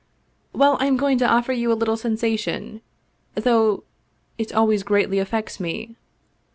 " Well, I am going to offer you a little sensation, though it always greatly affects me.